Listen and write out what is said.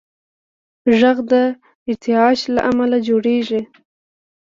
غږ د ارتعاش له امله جوړېږي.